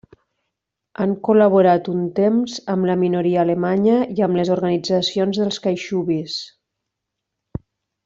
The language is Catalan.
Han col·laborat un temps amb la minoria alemanya i amb les organitzacions dels caixubis.